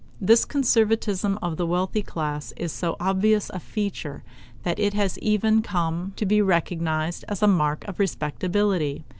This conservatism of the wealthy class is so obvious a feature that it has even come to be recognized as a mark of respectability.